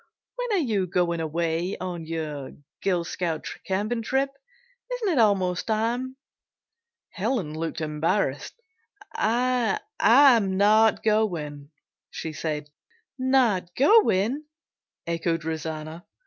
When are you going away on your Girl Scout camping trip? Isn't it almost time?" Helen looked embarrassed. "I am not going," she said. "Not going?" echoed Rosanna.